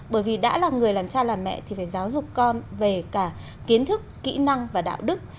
bởi vì đã là người làm cha làm mẹ thì phải giáo dục con về cả kiến thức kỹ năng và đạo đức